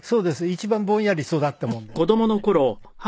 一番ぼんやり育ったもんですからね。